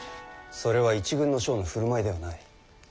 それは一軍の将の振る舞いではない。